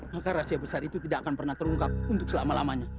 maka rahasia besar itu tidak akan pernah terungkap untuk selama lamanya